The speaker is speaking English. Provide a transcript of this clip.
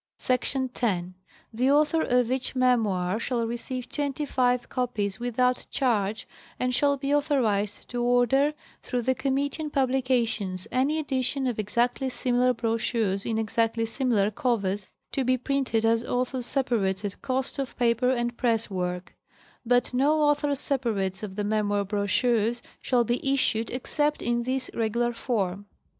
Src. 10. The author of each memoir shall receive twenty five copies without charge and shall be authorized to order, through the committee on Publications, any edition of exactly similar brochures in exactly similar covers to be printed as author's separates at cost of paper and press work ; but no author's sepa rates of the memoir brochures shall be issued except in this regular form.